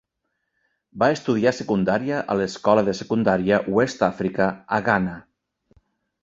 Va estudiar secundària a l'escola de secundària West Africa a Ghana.